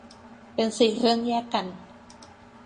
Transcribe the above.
เป็นสี่เรื่องแยกกัน